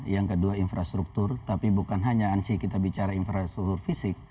yang kedua infrastruktur tapi bukan hanya kita bicara infrastruktur fisik